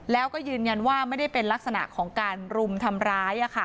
แล้วก็ยืนยันว่าไม่ได้เป็นลักษณะของการรุมทำร้าย